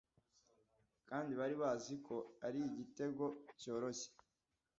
kandi bari bazi ko ari igitego cyoroshye